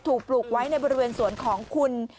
ปลูกไว้ในบริเวณสวนของคุณ